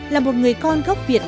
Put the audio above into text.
là một người con gốc việt